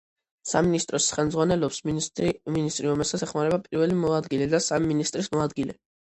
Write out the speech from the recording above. სამინისტროს ხელმძღვანელობს მინისტრი, რომელსაც ეხმარება პირველი მოადგილე და სამი მინისტრის მოადგილე.